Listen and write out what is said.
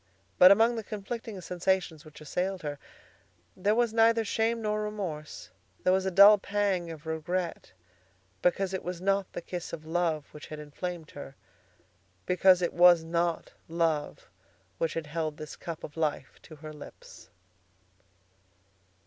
But among the conflicting sensations which assailed her, there was neither shame nor remorse. There was a dull pang of regret because it was not the kiss of love which had inflamed her, because it was not love which had held this cup of life to her lips.